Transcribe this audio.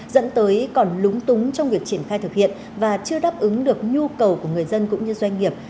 dẫn tới còn lúng túng trong việc triển khai thực hiện và chưa đáp ứng được nhu cầu của người dân cũng như doanh nghiệp